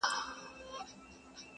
o و خوره هم خوړل دي، ونغره هم خوړل دي!